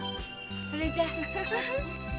それじゃ。